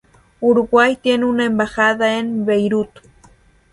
Uruguay tiene una embajada en Beirut.